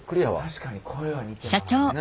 確かに声は似てますね。